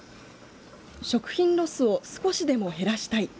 食品ロスを少しでも減らしたい。